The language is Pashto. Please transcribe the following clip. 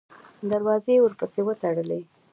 دروازې یې ورپسې وتړلې.